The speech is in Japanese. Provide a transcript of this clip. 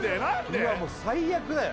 うわもう最悪だよ